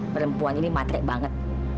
perempuan ini matrik banget